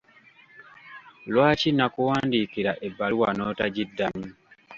Lwaki nakuwandiikira ebbaluwa n’otagiddamu?